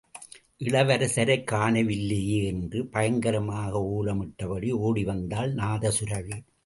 இளவரசைக் காண வில்லையே.. என்று பயங்கரமாக ஓலமிட்டபடி ஓடிவந்தாள் நாதசுரபி!...